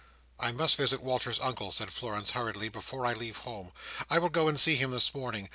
"I must visit Walter's uncle," said Florence, hurriedly, "before I leave home. I will go and see him this morning.